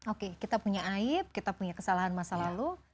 oke kita punya aib kita punya kesalahan masa lalu